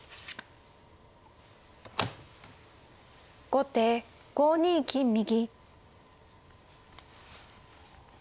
後手５二金右。